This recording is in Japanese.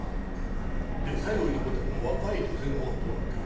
で最後に残ったこの若い女性のほうはどうなってる？